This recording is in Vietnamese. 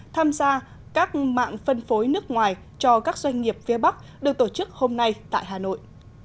tham gia các mạng phân phối nước ngoài cho các doanh nghiệp phía bắc được tổ chức hôm nay tại hà nội